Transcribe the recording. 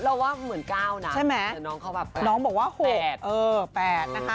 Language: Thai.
เราว่าเหมือน๙นะน้องเขาแบบ๘